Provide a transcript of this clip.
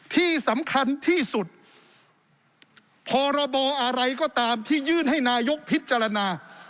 ที่สำคัญที่สุดพรบอะไรก็ตามที่ยื่นให้นายกพิจารณา